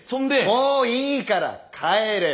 もういいから帰れ。